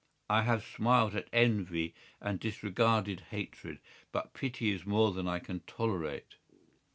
I have smiled at envy, and disregarded hatred, but pity is more than I can tolerate.